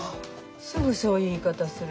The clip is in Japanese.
すぐそういう言い方する。